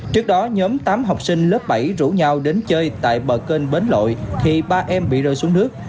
trước đó nhóm tám học sinh lớp bảy rủ nhau đến chơi tại bờ kênh bến lội thì ba em bị rơi xuống nước